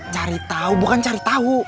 cari tahu bukan cari tahu